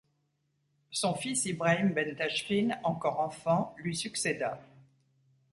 Son fils Ibrahim ben Tachfine, encore enfant, lui succéda.